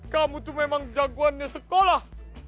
kamu tuh memang jagoannya sekolah